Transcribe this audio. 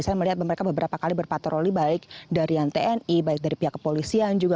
saya melihat mereka beberapa kali berpatroli baik dari yang tni baik dari pihak kepolisian juga